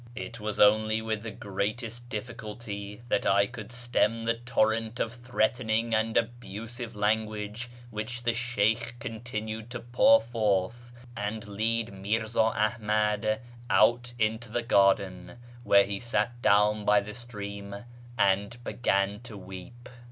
It was only with the greatest difficulty that I could stem the torrent of threatening and abusive language which the Sheykh continued to pour forth, and lead Mirza Ahmad out into the garden, where he sat down by the stream and began to weep.